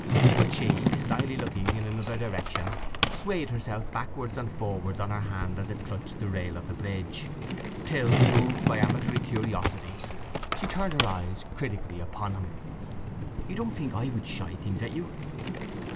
But she, slyly looking in another direction, swayed herself backwards and forwards on her hand as it clutched the rail of the bridge; till, moved by amatory curiosity, she turned her eyes critically upon him. "You don't think I would shy things at you?"